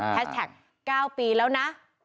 แท็ก๙ปีแล้วนะ